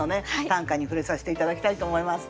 短歌に触れさせて頂きたいと思います。